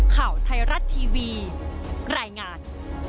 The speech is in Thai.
ข่าวไทยรัฐทีวีรายงาน